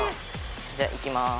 じゃあいきます！